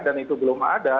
dan itu belum ada